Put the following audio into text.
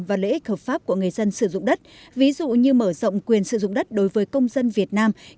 và lợi ích hợp pháp của người dân sử dụng đất ví dụ như mở rộng quyền sử dụng đất đối với công dân việt nam